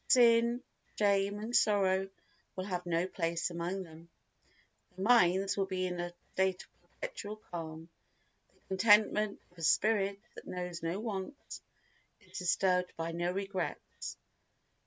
Sin, shame and sorrow will have no place among them. Their minds will be in a state of perpetual calm, the contentment of a spirit that knows no wants, is disturbed by no regrets.